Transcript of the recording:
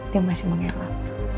dia masih mengelap